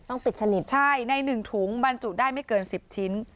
ต้องปิดสนิทใช่ในหนึ่งถุงมันจุได้ไม่เกิน๑๐ชิ้น